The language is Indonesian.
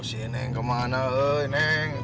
siapa yang berada di mana